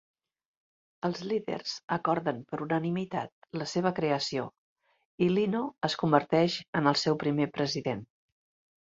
Els líders acorden per unanimitat la seva creació i Lino es converteix en el seu primer president.